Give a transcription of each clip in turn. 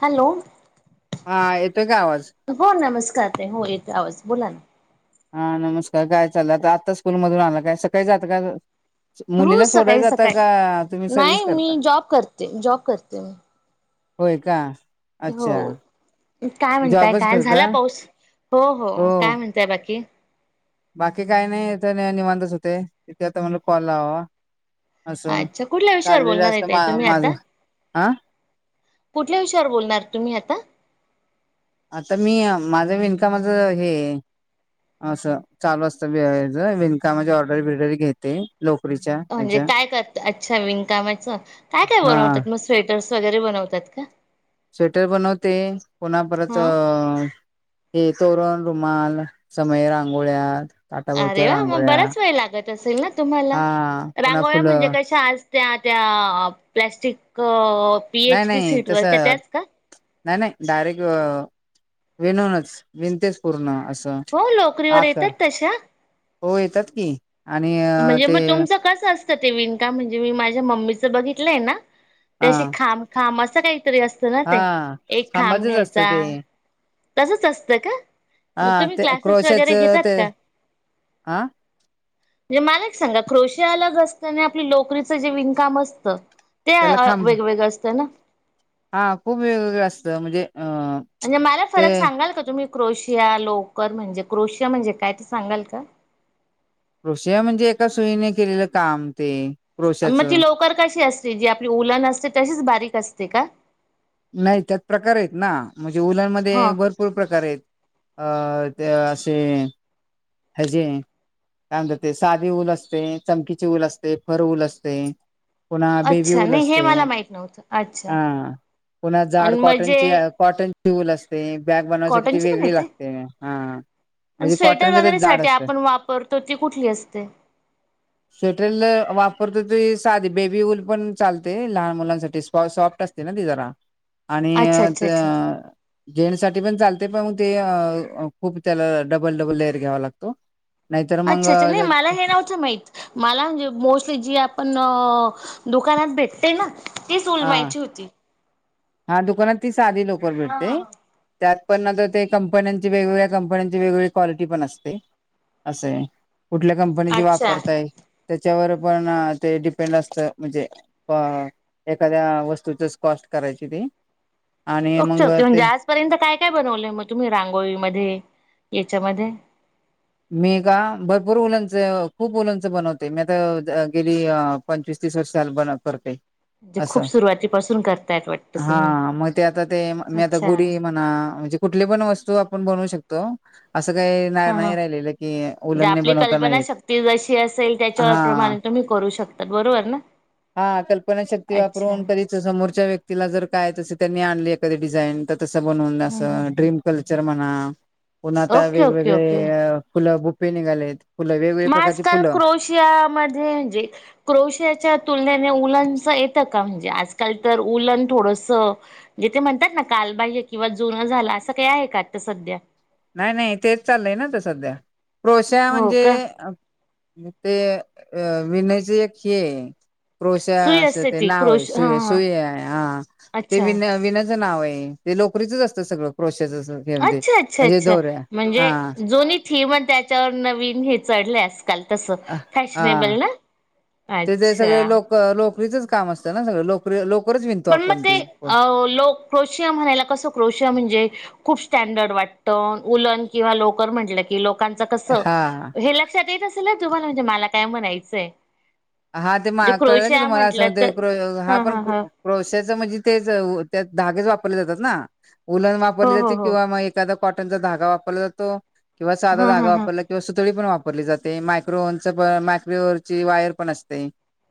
Hello. हा येतोय का आवाज. हो नमस्कार हो येतोय आवाज बोला ना. हा नमस्कार काय चाललं? आता स्कूल मधून आला काय? सकाळी जात का? हो मुलीला सकाळी सोडायला जात सकाळी का? तुम्ही सर्विस नाही करता मी जॉब करते जॉब करते मी होय का हो अच्छा. काय म्हणताय? जॉबच काय करता? झाला पाऊस? हो हो काय म्हणताय बाकी. बाकी काय नाही इथ निवांतच होते. तिथे आता म्हनल कॉल लावा. अच्छा कुठल्या विषयावर बोलणार आहे मा ताई तुम्ही आता. माझं हा कुठल्या विषयावर बोलणार तुम्ही आता.? आता मी माझं विणकामाचं हे. असं चालू असतं विनकामाचे ऑर्डर बिडर घेते. लोकरीच्या म्हणजे ह्याच्या काय करता. अच्छा विणकामाचं काय-काय हा बनवतात मग स्वेटर्.. वगैरे बनवतात का. स्वेटर बनवते. पुन्हा परत हा अ... हे तोरण. रुमाल. समया. रांगोळ्या. अरे ताटाभोवच्या वा. मग रांगोळ्या बराच वेळ लागत असेल ना तुम्हाला. हा पुन्हा रांगोळ्या म्हणजे फुलं कशा आज. त्या त्या प्लास्टिक... नाही-नाही तस नाही-नाही डायरेक्ट.. विनूनच विनतेच पूर्ण असं. हो लोकरीवर आकार येतात तशा.? हो येतात की. आणि अ, म्हणजे ते मग तुमचं कसं अस... आसत ते विणकाम. म्हणजे मी माझ्या मम्मीच बघितलंय ना. हा त्या खांब-खाब असं काही... तरी असत ना ते हा एक खांब खांबाचच असतं घ्यायचा. ते तसच असतं का मग हा तुम्ही क्लासेस वगैरे घेतात का.? आ. म्हणजे माला एक सांगा कृषी अलग असत ना आपल लोकरीच जे वीनकाम असत... ते त्याला खांब वेगवेगळं असतं ना. हा खूप वेगवेगळं असतं म्हणजे.. अ म्हणजे मला ते फरक सांगाल का तुम्ही.? क्रोशिया लवकर म्हणजे क्रोशिया म्हणजे काय तर सांगाल का.? कृषया म्हणजे एका सुईने केलेलं काम ते. मग ती क्रोशाचं लवकर कशी असते. जी आपली उलार असते तशीच बारीक असते का. नाही त्यात प्रकार आहेत ना. म्हणजे उलांर मध्ये हा भरपूर प्रकार आहेत अ... ते असशी हेजे.. काय म्हणतात. ते साधे ऊल असते. चमकीचे ऊल असते. फर ऊल असते. पुन्हा बिव्ह्यू अच्छा ऊल नाही हे असते मला माहित नव्हतं अच्छा हा. पुन्हा जाड आणि म्हणजे कॉटनची कॉटनची ऊल असते. बॅग बनवाण्यासाठी ती कॉटनची पण वेगळी येते लागते हा. आणि म्हणजे कॉ... स्वेटर वगैरे सा आपण वापरतो ती कुठली असते. स्वेटरला वापरत तो... चाधी बेबी ऊल पण चालते. लहान मुलांसाठी स्व सॉफ्ट असते ना ती जरा.. आणि... अच्छा अच्छा ज अच्छा अ.... घेण्यासाठी पण चालते पण ते. खूप त्याला डबल-डबल घ्यावा लागतो. नाहीतर मग अच्छा-अच्छा नाही. मला हे नव्हतं माहित. मला म्हणजे मोस्टली जी आपण. दुकानात भेटते ना तीच उल हा माहिती होती. हा दुकानात ती साधी लोकर हा हा भेटते. हा. त्यात. पण आता ते कंपन्यांची वेगवेगळ्या कंपन्यांची वेगवेगळी क्वालिटी पण असते. अस हाय. कुठल्या कंपनीची अच्छा वापरताय. त्याच्यावर पण ते डिपेंड असत म्हणजे अ. एखाद्या वस्तूचच कॉस्ट करायची ते. आणि मग ओके-ओके म्हणजे आजपर्यंत काय-काय बनवलंय मग तुम्ही रांगोळीमध्ये. याच्यामध्ये. मी का भरपूर उलंंच खूप उलंंच बनवते. मी आता गेली पंचवीस. पस्तीस वर्षे झालं करते. म्हणजे खूप असं सुरुवातीपासून करतायत वाटत. हा म ते आता ते मी आता गुढी म्हणा म्हणजे कुठली पण वस्तू आपण बनवू शक तो असं काय नाई [unintelligible] जे आपली कल्पना शक्ती जशी असेल तेच्या हा प्रमाणे तुम्ही करू शकता बरोबर ना. हा कल्पना शक्ती अच्छा वापरून कधीच समोरच्या व्यक्ती तिला जर काय तस त्यांनी आणली एखादी डिझाईन त तसं बनवून हम्म हम्म असं ड्रीम कल्चर म्हणा. पण आता ओके ओके ओके वेगवेगळेय फुलं बुफे निघालेत. फुलं वेगवेगळ्या म प्रकारची आजकाल फुलं क्रोशियामध्ये जे क्रोशियाच्या तुलनेने [unintelligible] स येत का म्हणजे आजकाल तर उलन थोडस जे ते म्हणत्यात ना कालबाह्य किंवा जु झाल असं काय आहे का आता सध्या नाइ नाइ तेच चाललंय ना आता सध्या क्रोशा हो म्हणजे का अं मग ते अं विनायचे एक हें क्रॉशा सुई असं असते ते ती नावाय क्रोश हा सुय हा सुयाय आ. ते अच्छा विन्या विनाचं नावय ते लोकरीच असतं सगळं क्रोशाच घेईल ते अच्छा अच्छा अच्छा म्हणजे जोनी थीमण त्याच्यावर नवीन हे चढल्यास काल तस फॅशनेबल ना. इथे ते अच्छा सगळं लोक लोकरीचचं काम असत ना सगळं लोकरी लोक पण मग ते अ लोक क्रोशिया म्हणायला कसं क्रोशिया म्हणजे खूप स्टॅंडर्ड वाटत उलन किंवा लोकर म्हटलं कि लोक कांच कसं हा हे लक्षात येत असेल ना तुम्हाला म्हणजे मला काय म्हणायचंय. हा ते जे मळा कळलं की क्रोशिया तुम्हाला म्हटलं तर हा हा हा [unintelligible] क्रोश [unintelligible] तेज धागेच वापरले जातात ना उलन वापरले हो हो जाते हो किंवा मग एखादा कॉटनचा धागा वापरला जातो किंवा साधा हा हा धगा हा वापरला किंवा सुतळी पण वाप वापरली जाते मायक्रोवनच पण मायक्रो ची वायर पण असते.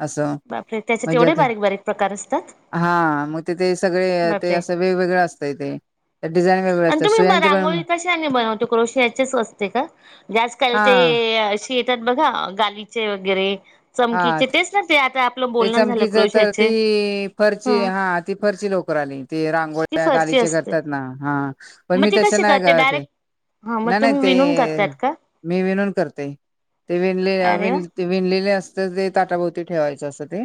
असं बापरे त्याच्यात म्हणजे एवढे ते बारीक बारीक प्रकार असतात हा मग ते ते सगळे ते बापरे असं वेगवेगळं असतंय ते. डिझाईन वेगवेगळ्या आणि असतात तुम्ही म सुयांचे पण रांगोळी कशाने बनवते क्रोशीचीच असते का? आज काल ते हा ते अशी येतात बघा गालीचे वगरे हा चमकीचे तेच ना ते आता आपलं ते बोलणं झालं चमकीचं तर क्रोशाचे ती फरची हा ती फर ची लोकर आली ते ती रांगोळ्या फरची गालीचे असते करतात ना हा पण मी मग ती तस कशी नाइ करते करत हाय. डायरेक्ट हा मग नाही नाही तुम्ही ते विणून करतात का मी विणून करते. ते विणलेल्या अरे वा विणलेले अस ताटाभोवती ठेवायचं असं ते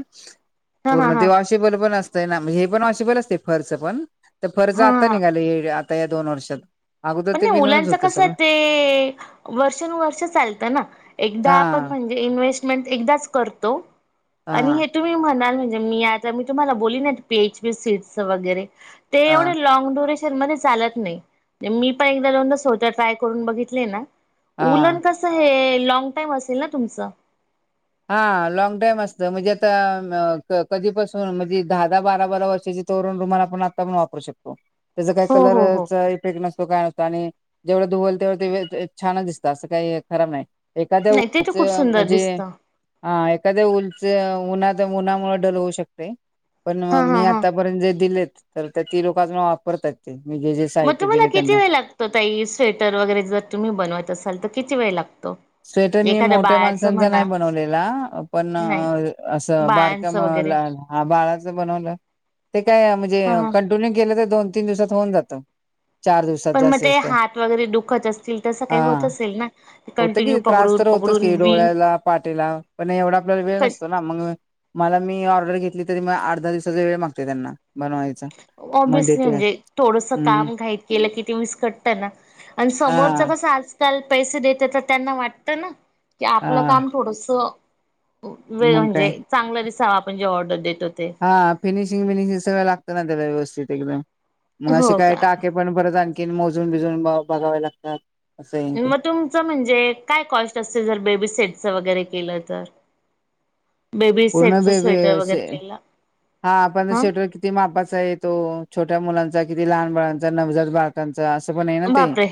हा हा पूर्ण ते हा वॉशेबल पण अस त्यना हे पण वॉशियाबल असते फरच पण तर फरचं हा आता हा निघाले आता या दोन वर्षात अगोदर पण ते नाइ विनूनच मुलाचं होतं कसंय सगळं ते वर्षानुवर्ष चालतं ना एकदा हा आपण म्हण इन्व्हेस्टमेंट एकदाचं करतो आणि हा हे तुम्ही म्हणालं मी आता मी तुम्हाला बोली ना पी एच पी सीट च वगरे हा तेवढे लाँग चन चालत नाइ मी पण एकदा दोनदा स्वतः ट्राय करून बघितले ना हा उलन कसं हे लॉंग टाईम असेल ना तुमचं हा लॉग टाम असत म्हणजे आता क कधीपासून म्हणजे दहा दहा बारा बारा वर्ष [unintelligible] आपण वापरू शकतो तेज काय हो कलर हो हो इफेक्ट नसतो काय आणि जेवढं धुवल तेवढं [unintelligible] ते छान दिसत असं काय खराब नाइ. एखाद्या नाही ते तर खूप [unintelligible] सुंदर म्हणजे दिसतं हा एखाद उलच उन्हात उन्हामुळे ढल होऊ शकतय. पण हा मी हा हा आतापर्यंत जे दिलेत तर ती लोक आजून वापरतात ती मग तुम्हाला किती वेळ लागतो ताई स्वेटर वगरे जर तुम्ही बनवत असाल तर किती वेळ लाग स्वेटर मी मोठ्या माणसांचा नाइ बनवलेला पण नाही अं असं बारक्या बाळांचं वगैरे लहान बाळाचं बनवलं ते काय म्हणजे हा हा. कंटिन्यू केलं तर दोन तीन दिवसात होऊन जातं. चार दिवसात पण म जास्तीत ते जास्त हात वगरे दुखत असतील तसं काही होत हा असेल ना कण होतं की त्रास तर होतचं की डोळ्याला पाटिला पण एवढा आपल्याला वेळ नसतो ना मग मला मी ऑर्डर घेतली तरी मग. आठ-दहा दिवसाचा वेळ मागते त्यांना बनवायला. ओब्युअसली म्हणजे थोडस हम्म काम घाईत केलं कि ते विस्कटतं ना. आणि समोरच हा कसं आज. त्याल पैसे देते तर त्यांना वाटत ना. की आपलं हा काम थोडस वेळ मग म्हणजे काय चांगलं दिसावं आपण जे ऑर्डर देतो. ते हा फिनिशिंग-विनिशिंग सगळं लागतं ना त्याला व्यवस्थित एकदम. मग असे हो काय का टाके पण परत आणखीन मोजून बिजून बघावे लागतात. असं आहे ते मग तुमचं म्हणजे काय कॉस्ट असते. जर बेबी सेटचं वगैरे. तर बेबी पूर्ण सेटच बे स्वेटर वगैरे बे केलं. हा पण स्वेटर किती मापाचा आहे तो. छोट्या मुलांचा. किती लहान बाळांचा. नवजात बाळकांचा. असं पण आहे ना ते. बापरे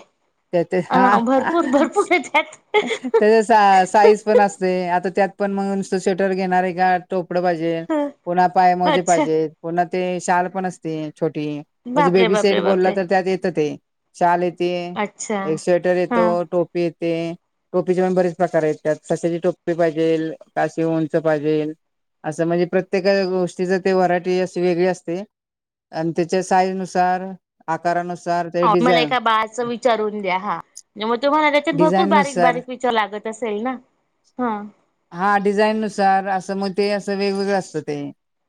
त्या अ ह.... भरपूर भरपूर आहे त्यात त्याच्या साईज पण असते. आता त्यात. पण स्वेटर घेणार काय टोपड पाहिजे. ह कोणाला पायमोजे अच्छा पाहिजे. शाल पण असते. छोटी म्हणजे बापरे बेबी बापरे सेट बोल बापरे तर त्यात येत ते शाल एक अच्छा स्वेटर हा येतो. टोपी येते. टोपीचे पण बरेच प्रकार आहेत त्यात. तसेची टोपी पाहिजे का आशी उंच पाहिजेल. असं म्हणजे प्रत्येका गोष्ट. व्हरायटी अ वेगळी असते. आणि त्याच्या साईज नुसार आकारानुसार. त्या मला डिझाईन एका बाळाचा विचार द्या हा म्हणजे मग तुम्हाला त्याच्यात भरपूर डिझाईन नुसार बारीक-बारीक विचार लागत अस असेल ना हा. हा डिझाईन नुसार. असं मग ते असं वेगवेगळं असतं ते.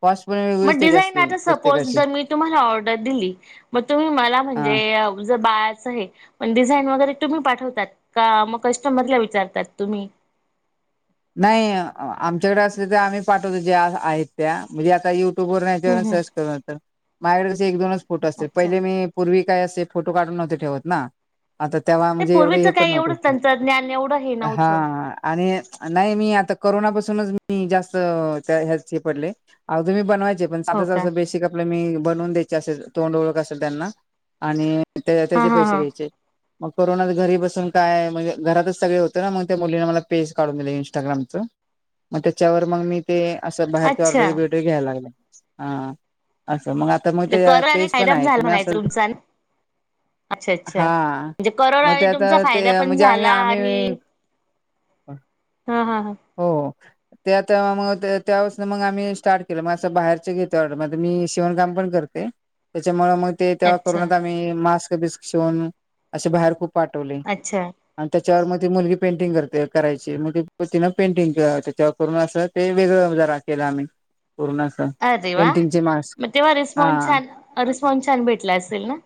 कॉस्ट पण वेगळीच मग त्याची डिझाईन असते आता. सपोज प्रत्येकाची जर मी तुम्हाला ऑर्डर दिली. मग तुम्ही मला म्हणजे हा. जर बाळाचे. डिझाईन वगैरे तुम्ही पाठवतात. का मग कस्टमरला विचारतात तुम्ही. नाही आमच्याकडे असले तर. आम्ही पाठवतो ज्या आहेत त्या म्हणजे आता युट्युब. युट्युब हम् हम् वरसर्च करून. माझ एक दोनच फोटो असत्यात. अच्छा पहिले मी पूर्वी काय असे फोटो काढून नव्हते ठेवत ना. आता तेव्हा नाही म्हणजे एवढं पूर्वीच हे पण काही एवढं नव्हत. तंत्रज्ञान एवढं हे हा नव्हतं आणि. नाही मी आता कोरोनापासूनच. मी जास्त त्या हे पडलोय. आधी मी बनवाय हो का बेसिक आपल मी बनवून द्यायची. असे तोंड ओळख असेल त्यांना आणि. त्या हा त्याचे हा पैसे हा घ्यायचे. मग करुणात घरी बसून काय. म्हणजे घरातच सगळे होतं ना मग त्या मुलींना मला पैसे. काढून दि इंस्टाग्राम च. मग त्याच्यावर मग मी ते असं बाहेरचे अच्छा ऑर्डर बीरडर घ्यायला लागले. हा असं मग आता मग म्हणजे त्या कराने पेज पण फायदा आहे. झाला तुम्ही म्हणायचं असल. तुमचा अच्छा अच्छा हा म्हणजे मग करोनाने त्या तुमचा आता. फायदा ते पण म्हणजे आम झाला आम्ही. आणि हा हा हा हो. त्या तेव्हा म ते तेव्हा पासन. मग आम्ही स्टार्ट केलं मग असं बाहेरच घेते ऑर्डर. म आता मी शेवणकाम पण करते. ते त्याच्यामुळ म ते तेव्हा अच्छा करोनात आम्ही मास्क बिस्क शिवून असे बाहेर खूप पाठवले अच्छा आणि ते च्यावर म ती मुलगी पेंटिंग करते. करायची मग ते प तिन पेंटिंग क त्याच्यावरून असं ते वेगळं जरा केलं आम्ही. पूर्ण असं अरे वा. पेंटिंगचे मास्क म तेव्हा रिस्पॉन्स हा. छान रिस्पॉन्स छान भेटला असेल ना.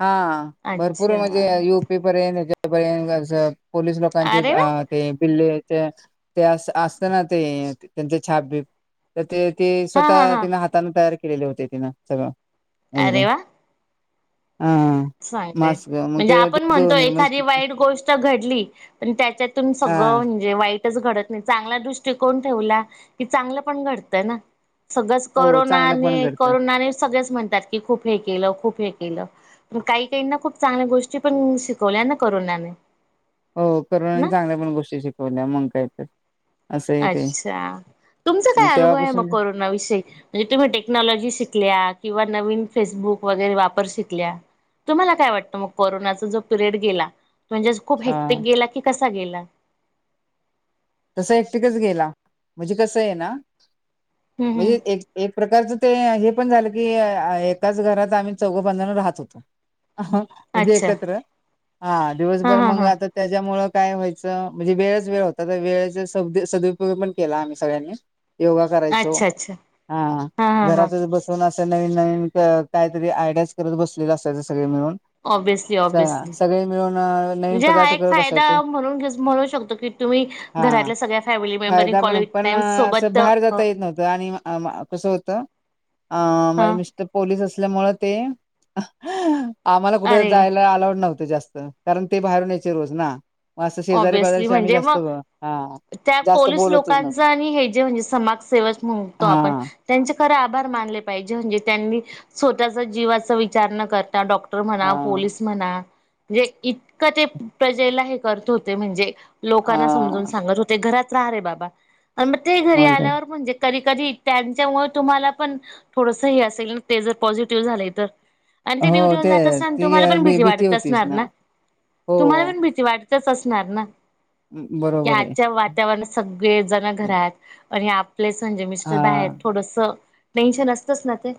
हा भरपूर अच्छा म्हणजे. युपी पर्यंत. याच्यापर्यंत असं पोलीस लोकांचे अरे आ वा ते बिल्ले ते ते अस असत ना ते त्यांचे छापबीप तर ते ते हा हा स्वतः हा तिनं हाताानं तयार केलेले होते तिनं सगळं. एकदम अरेवा. हा चांगलंय मास्क मग म्हणजे. ते आपण म्हणतो. दोन एखादी मग वाईट गोष्ट घडली पण त्याच्यातून सग हा ळं म्हणजे वाईटच घडत नाही. चांगला दृष्टीकोन ठेवला की चांगलं पण घडत ना. सगळंच हो चांगलं पण करतं करोनाने-करोनाने सगळेच म्हणतात. की खूप हे केलं खूप हे केलं काही काही ना खूप चांगल्या गोष्टी पण शिकवल्या ना करोनाने. हो करोना ने ना चांगल्या पण गोष्टी शिकवल्या मंग काय त अच्छा. तुमचा मग काय अनुभव आहे मग तेव्हापासून कोरोनाविषयी म्हणजे तुम्ही टेक्नॉलॉजी शिकल्यात किंवा नवीन फेसबुक वगैरे वापर शिकल्या तुम्हाला काय वाटतं मग कोरोनाचा जो पिरियड गेला म्हणजेच खूप हा हेक्टिक गेला की कसा गेला. तस हेकटेकच गेला म्हणजे कसं आहे ना हम्म हम्म म्हणजे एक एक प्रकारचं ते हे पण झालं की आ एकाच घरात आम्ही चौघ पनजण राहत होतो. म्हणजे अच्छा एकत्र हा हा दिवसभर हा मग हा आता त्याच्या मूळ काय व्हायचं म्हणजे वेळच वेळ होता तर वेळेचा सब्द सदुपयोग पण केला आम्ही सगळ्यांनी. योगा करायचो अच्छा अच्छा हा हा हा घरातच बसुन अस त नवीन नवीन क काहीतरी आयडियाज करत बसलेलो असायचो सगळे मिळून. ऑब्विसली अछा ऑब्विसली सगळे मिळून अ नवीन म्हणजे हा पदार्थ एक करत फायदा बसायचो. म्हणून घेस म्हणू शकतो की तुम्ही हा घरातल्या सगळ्या फॅमिली मेंबरनी फायदा पण कॉलेज पण टाइम असं सोबत बाहेर ह जाता येत नव्हतं आणि म अ म कसं होतं अ हा माझे मिस्टर पोलीस असल्यामुळ ते आम्हाला कुठ अरे जायला आलाऊड नव्हत जास्त कारण ते बाहेरून यायचे रोज ना. म असं शेजारी पाजारी ऑब्विसली शी आम्ही म्हणजे जास्त मग ब हा. त्या जास्त पोलीस बोलतच लोकांच नव्हतो आणि हे जे म्हणजे समाजसेवक म्हणतो आपण हा त्यांचे खरे आभार मानले पाहिजे म्हणजे त्यांनी स्वतःचा जीवाचा विचार न करता डॉक्टर म्हणा हा पोलीस म्हणा म्हणजे इतकं ते प्रजेला हे करत होते म्हणजे लोकांना समजून हा सांगत होते घरात रहा रे बाबा आणि म ते घरी मग काय आल्यावर म्हणजे तरी कधी त्यांच्यामुळे तुम्हाला पण थोडस हे असेल ते जर पॉझिटिव्ह झाले तर आणि ते हो ड्युटीवर जात असणार ती तुम्हाला पण भी भीती वाटत होतीच असणार ना हो तुम्हाला पण भीती वाट त असणार ना की बरोबर आहे आजच्या वातावरणात सगळे जण घरात आणि आपलेच म्हणजे मिस्टर बाहेर हा थोडस टेन्शन असतंच ना ते.